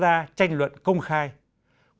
và theo nhiều lờiquez tôi đã làm tener khi ni idia